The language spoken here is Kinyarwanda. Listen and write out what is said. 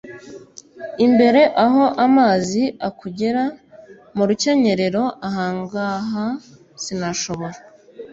imbere aho amazi akugera mu rukenyerero, ahangaha sinashobora